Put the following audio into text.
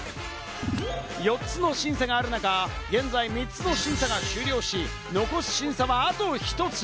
４つの審査がある中、現在３つの審査が終了し、残す審査はあと１つ。